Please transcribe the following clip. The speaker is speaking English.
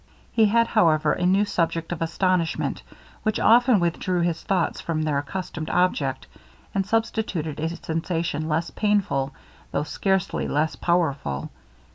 He had, however, a new subject of astonishment, which often withdrew his thoughts from their accustomed object, and substituted a sensation less painful, though scarcely less powerful.